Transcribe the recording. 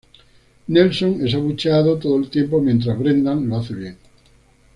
Nelson es abucheado todo el tiempo mientras Brendan lo hace bien.